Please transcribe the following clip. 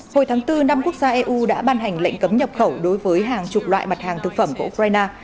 hồi tháng bốn năm quốc gia eu đã ban hành lệnh cấm nhập khẩu đối với hàng chục loại mặt hàng thực phẩm của ukraine